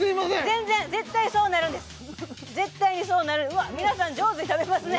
全然絶対そうなるんです絶対にそうなるうわっ皆さん上手に食べますね